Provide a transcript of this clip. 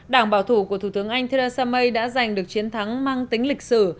đảng bảo thủ của thủ tướng anh theresa may đã giành được chiến thắng mang tính lịch sử